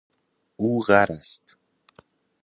او غر است